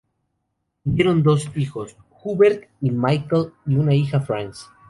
Tuvieron dos hijos Hubert y Michel y una hija France.